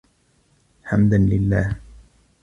حمداً لله.